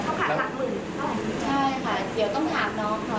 ใช่ค่ะเดี๋ยวก็ต้องถามน้องค่ะ